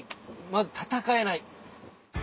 まず戦えない。